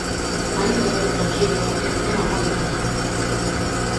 Vai un debate tranquilo, é un tema moi importante.